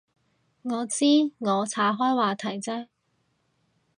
我知，我岔开话题啫